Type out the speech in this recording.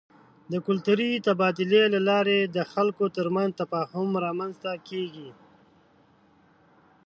د کلتوري تبادلې له لارې د خلکو ترمنځ تفاهم رامنځته کېږي.